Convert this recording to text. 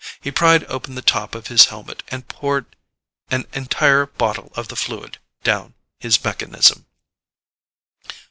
He pried open the top of his helmet and pouted an entire bottle of the fluid down his mechanism.